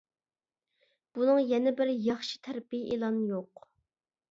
بۇنىڭ يەنە بىر ياخشى تەرىپى ئېلان يوق.